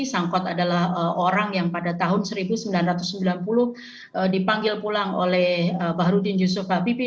sangkot adalah orang yang pada tahun seribu sembilan ratus sembilan puluh dipanggil pulang oleh bahrudin yusuf habibi